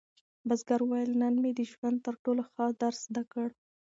بزګر وویل چې نن مې د ژوند تر ټولو ښه درس زده کړ.